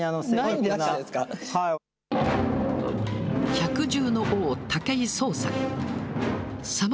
百獣の王、武井壮さん。